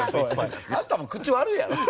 あんたも口悪いやろ。